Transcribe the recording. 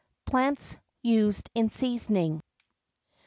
X. PLANTS USED IN SEASONING.